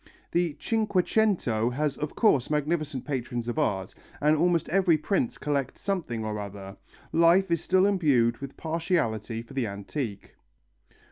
The Cinquecento has of course magnificent patrons of art, and almost every prince collects something or other. Life is still imbued with partiality for the antique.